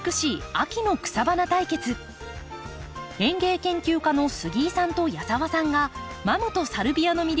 園芸研究家の杉井さんと矢澤さんがマムとサルビアの魅力をお伝えします。